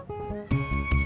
gak usah banyak ngomong